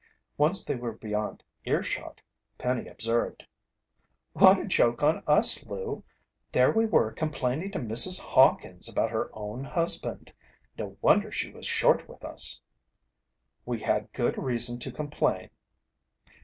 Once they were beyond earshot, Penny observed: "What a joke on us, Lou! There we were, complaining to Mrs. Hawkins about her own husband! No wonder she was short with us." "We had good reason to complain."